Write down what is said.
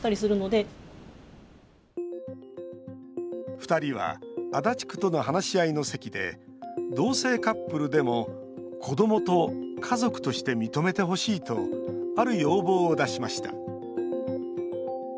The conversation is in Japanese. ２人は足立区との話し合いの席で同性カップルでも子どもと家族として認めてほしいとある要望を出しました。